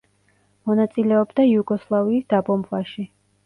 მონაწილეობდა იუგოსლავიის დაბომბვაში.